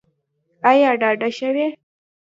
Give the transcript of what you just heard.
ایا ډاډه شوئ؟